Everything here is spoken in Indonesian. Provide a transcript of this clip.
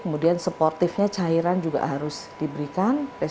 kemudian sportifnya cairan juga harus diberikan